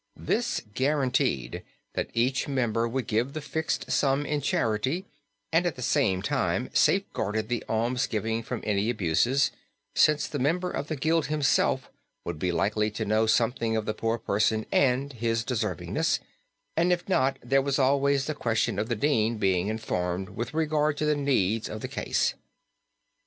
This guaranteed that each member would give the fixed sum in charity and at the same time safeguarded the almsgiving from any abuses, since the member of the guild himself would be likely to know something of the poor person and his deservingness, and if not there was always the question of the Dean being informed with regard to the needs of the case.